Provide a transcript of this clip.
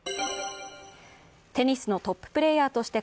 テニスのトッププレーヤーとして